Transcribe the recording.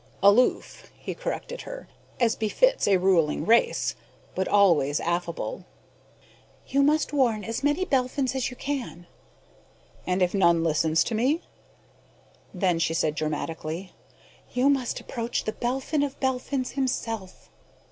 "Aloof," he corrected her, "as befits a ruling race. But always affable." "You must warn as many Belphins as you can." "And if none listens to me?" "Then," she said dramatically, "you must approach The Belphin of Belphins himself."